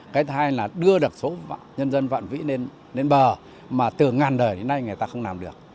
cái hai là đưa được số nhân dân vạn vĩ lên bờ mà từ ngàn đời đến nay người ta không làm được